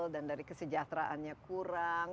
dan dari kesejahteraannya kurang